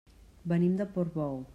Venim de Portbou.